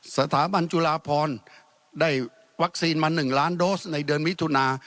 สถาบันจุฬาพรได้วัคซีนมา๑ล้านโดสในเดือนมิถุนา